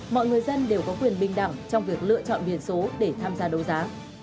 mọi người dân đều có quyền bình đẳng trong việc lựa chọn biển số để tham gia đấu giá